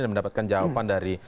dan mendapatkan jawaban dari